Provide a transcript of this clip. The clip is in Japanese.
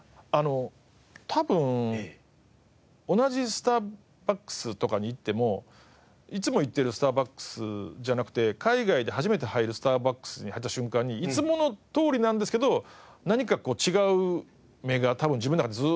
多分同じスターバックスとかに行ってもいつも行ってるスターバックスじゃなくて海外で初めて入るスターバックスに入った瞬間にいつものとおりなんですけど何か違う目が多分自分の中でずっと働いてるんでしょうね。